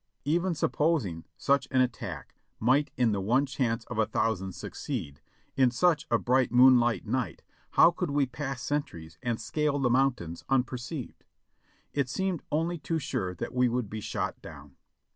Even supposing such an attack might in the one chance of a thou sand succeed, in such a bright moonlight night how could we pass sentries and scale the mountains unperceived? It seemed only too sure that we would be shot down.